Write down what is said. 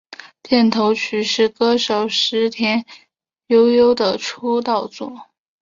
片头曲是歌手矢田悠佑的出道作。